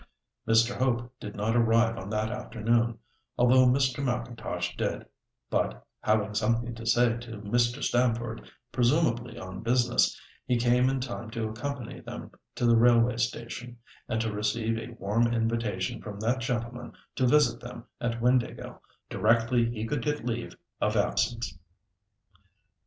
Mr. Hope did not arrive on that afternoon, although Mr. M'Intosh did, but, having something to say to Mr. Stamford, presumably on business, he came in time to accompany them to the railway station, and to receive a warm invitation from that gentleman to visit them at Windāhgil directly he could get leave of absence.